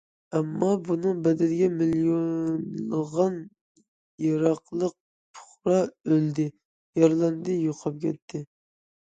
ئەمما، بۇنىڭ بەدىلىگە مىليونلىغان ئىراقلىق پۇقرا ئۆلدى، يارىلاندى، يوقاپ كەتتى.